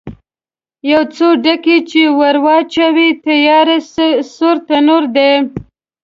یو څو ډکي چې ور واچوې، تیار سور تنور دی.